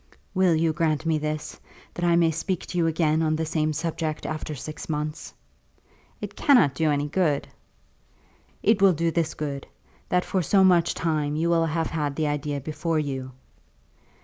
"Will you grant me this; that I may speak to you again on the same subject after six months?" "It cannot do any good." "It will do this good; that for so much time you will have had the idea before you."